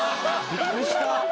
びっくりした。